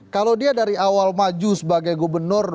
kalau dia dari awal maju sebagai gubernur